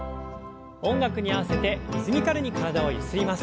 音楽に合わせてリズミカルに体をゆすります。